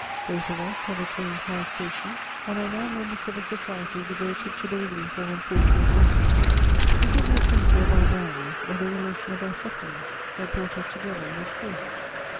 Both of us have attained high station and are now members of a society devoted to the relief of unfortunate authors. Is it the affinity of our grandeurs or the relation of our sufferings that brought us together in this place?